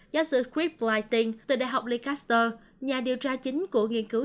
giáo sư chris lighting từ đại học lancaster nhà điều tra chính của nghiên cứu